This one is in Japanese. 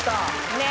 ねえ。